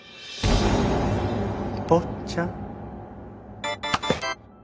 坊っちゃん。